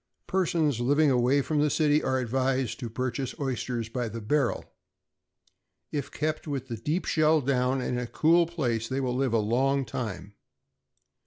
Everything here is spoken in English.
= Persons living away from the city are advised to purchase oysters by the barrel. If kept with the deep shell down, and in a cool place, they will live a long time.